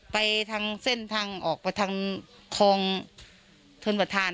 ไปทางเส้นทางออกไปทางคลองชนประธาน